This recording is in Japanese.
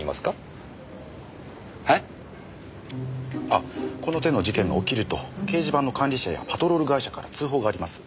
あっこの手の事件が起きると掲示板の管理者やパトロール会社から通報があります。